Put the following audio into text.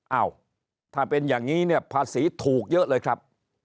เอ้าถ้าเป็นอย่างนี้เนี่ยภาษีถูกเยอะเลยครับ